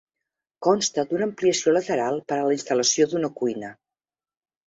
Consta d'una ampliació lateral per a la instal·lació d'una cuina.